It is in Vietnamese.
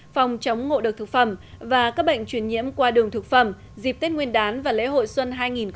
phòng chống ngộ đợt thực phẩm và các bệnh chuyển nhiễm qua đường thực phẩm dịp tết nguyên đán và lễ hội xuân hai nghìn một mươi tám